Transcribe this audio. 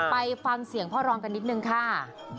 ไปฟังเสียงพ่อรองกันนิดนึงค่ะ